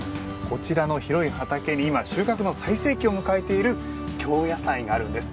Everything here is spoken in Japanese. こちらの広い畑に今、収穫の最盛期を迎えている京野菜があるんです。